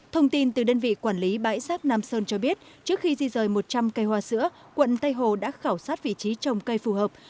thông tin từ đơn vị quản lý bãi giác nam sơn cho biết trước khi di rời một trăm linh cây hoa sữa quận tây hồ đã khảo sát vị trí trồng cây phù hợp